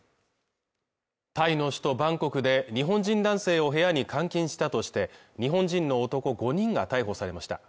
タイの首都バンコクで日本人男性を部屋に監禁したとして日本人の男５人が逮捕されました